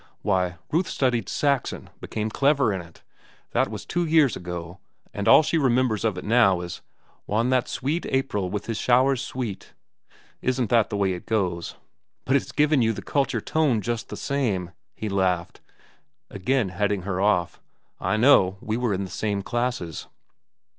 Why, Ruth studied Saxon, became clever in it,—that was two years ago,—and all that she remembers of it now is 'Whan that sweet Aprile with his schowers soote'—isn't that the way it goes?" "But it's given you the culture tone just the same," he laughed, again heading her off. "I know. We were in the same classes."